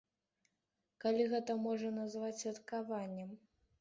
Калі гэта можна назваць святкаваннем.